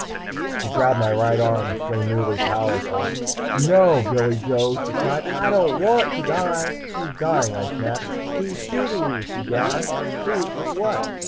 She grabbed my right arm, so newly powerful. "No, Billy Joe!" she cried. "I don't want to die!" "Who's dying?" I snapped. "He's shooting me!" she gasped. Shoot? With what?